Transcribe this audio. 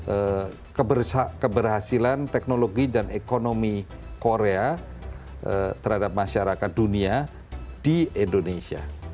untuk keberhasilan teknologi dan ekonomi korea terhadap masyarakat dunia di indonesia